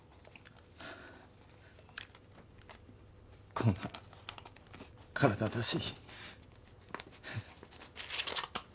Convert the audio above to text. こんな体だし。